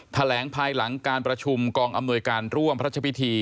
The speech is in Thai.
แถลงภายหลังการประชุมกองอำนวยการร่วมพระราชพิธี